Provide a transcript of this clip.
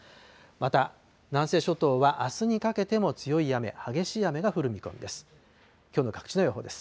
また南西諸島は、あすにかけても強い雨、激しい雨が降る見込みです。